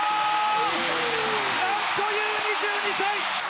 何という２２歳！